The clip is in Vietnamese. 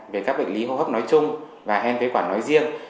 về các bệnh lý hô hấp nói chung và hen phế quản nói riêng